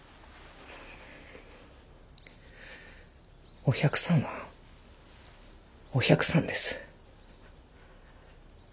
お百さんはお百さんです。